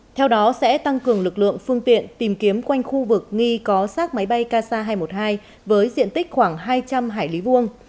theo đó sẽ tăng cường lực lượng phương tiện tìm kiếm quanh khu vực nghi có sát máy bay ksa hai trăm một mươi hai với diện tích khoảng hai trăm linh hải lý vuông